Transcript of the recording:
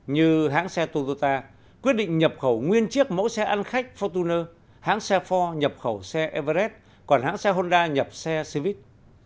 như hãng xe toyota quyết định nhập khẩu nguyên chiếc mẫu xe ăn khách fortuner hãng xe ford nhập khẩu xe everest còn hãng xe honda nhập xe civic